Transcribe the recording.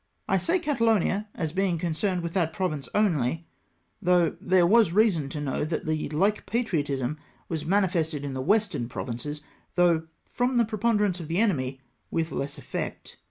I say Catalonia, as being concerned with that province only, though there was reason to know that the hke patriotism was manifested in the western provinces, though, fi^om the preponderance of the enemy, with less effect.